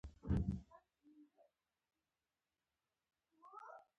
زۀ پۀ سويس هېواد کې ژوند کوم.